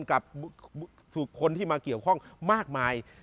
กับบุคคลที่มาเกี่ยวข้องมากมาย